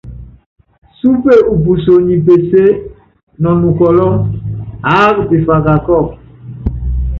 Súpe upuso nyi peseé nɔ nukɔlɔ́, aáka pifaka kɔ́ɔku.